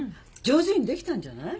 上手にできたんじゃない？